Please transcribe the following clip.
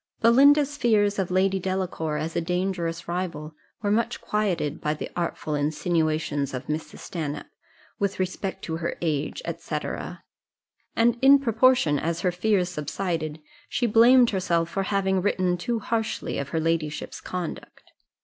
Belinda's fears of Lady Delacour, as a dangerous rival, were much quieted by the artful insinuations of Mrs. Stanhope, with respect to her age, &c. and in proportion as her fears subsided, she blamed herself for having written too harshly of her ladyship's conduct.